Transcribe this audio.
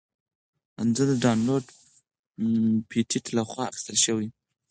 انځور د ډونلډ پېټټ لخوا اخیستل شوی.